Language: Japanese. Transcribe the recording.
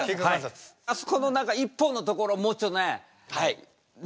あそこの何か「一本」のところもうちょっとねね。